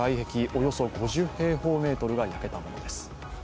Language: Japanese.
およそ５０平方メートルが焼けたものです。